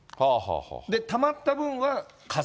たまった分は課税。